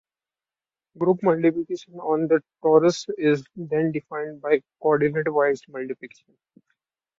Group multiplication on the torus is then defined by coordinate-wise multiplication.